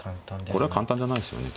これは簡単じゃないですよね。